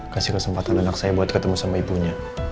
kasih kesempatan anak saya buat ketemu sama ibunya